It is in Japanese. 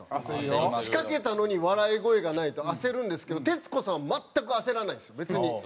仕掛けたのに笑い声がないと焦るんですけど徹子さんは全く焦らないんですよ別に。